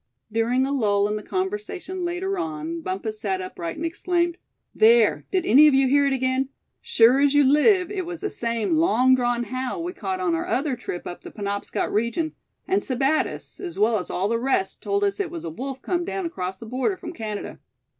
During a lull in the conversation later on, Bumpus sat upright, and exclaimed: "There, did any of you hear it again; sure as you live it was the same long drawn howl we caught on our other trip up the Penobscot region; and Sebattis, as well as all the rest, told us it was a wolf come down across the border from Canada.